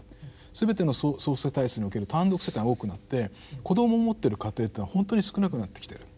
すべての総世帯数における単独世帯が多くなって子どもを持ってる家庭っていうのはほんとに少なくなってきてる。